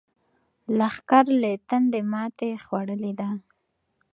لښکر له تندې ماتې خوړلې ده.